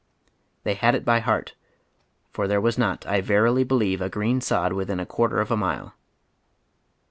They had it by heart, for there was not, I verily believe, a green sod within a quaiter of a mile.